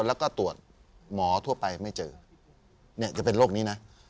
แล้วก็ตรวจหมอทั่วไปไม่เจอเนี่ยจะเป็นโรคนี้นะ